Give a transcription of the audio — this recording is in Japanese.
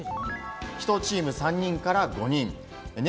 １チーム３人から５人。